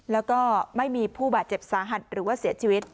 แล้วก็ไม่มีผู้บาดเจ็บสาหัสหรือว่าเสียชีวิต